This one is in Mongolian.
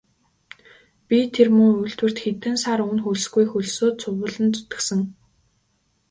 Би тэр муу үйлдвэрт хэдэн сар үнэ хөлсгүй хөлсөө цувуулан зүтгэсэн.